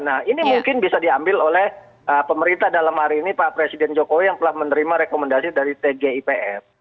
nah ini mungkin bisa diambil oleh pemerintah dalam hari ini pak presiden jokowi yang telah menerima rekomendasi dari tgipf